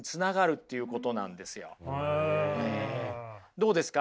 どうですか？